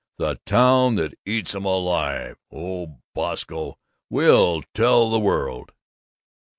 The town that eats 'em alive oh, Bosco! We'll tell the world!"